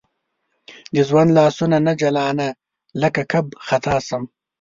د ژوند لاسونو نه جلانه لکه کب خطا شم